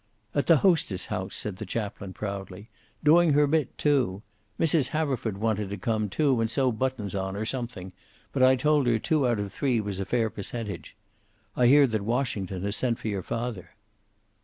"At the hostess house," said the chaplain, proudly. "Doing her bit, too. Mrs. Haverford wanted to come too, and sew buttons on, or something. But I told her two out of three was a fair percentage. I hear that Washington has sent for your father.